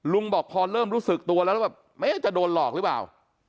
บอกพอเริ่มรู้สึกตัวแล้วแล้วแบบจะโดนหลอกหรือเปล่า